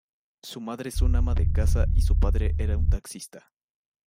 Su madre es una ama de casa y su padre era un taxista.